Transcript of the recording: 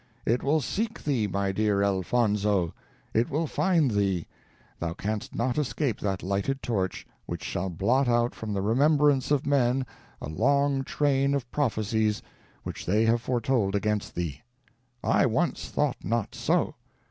It will seek thee, my dear Elfonzo, it will find thee thou canst not escape that lighted torch, which shall blot out from the remembrance of men a long train of prophecies which they have foretold against thee. I once thought not so.